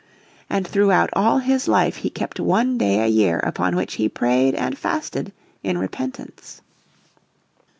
And throughout all his life he kept one day a year upon which he prayed and fasted in repentance.